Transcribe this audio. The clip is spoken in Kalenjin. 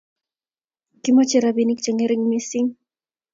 Kimoche robinik che ngering missing